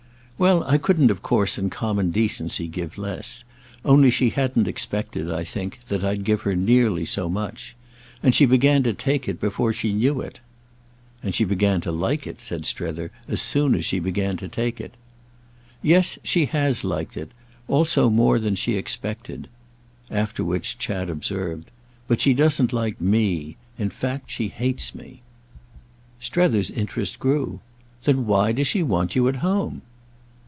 "Well, I couldn't of course in common decency give less: only she hadn't expected, I think, that I'd give her nearly so much. And she began to take it before she knew it." "And she began to like it," said Strether, "as soon as she began to take it!" "Yes, she has liked it—also more than she expected." After which Chad observed: "But she doesn't like me. In fact she hates me." Strether's interest grew. "Then why does she want you at home?"